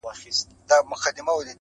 • زور یې نه وو د شهپر د وزرونو -